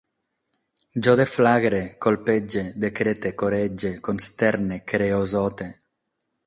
Jo deflagre, colpege, decrete, corege, consterne, creosote